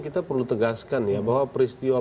kita perlu tegaskan ya bahwa peristiwa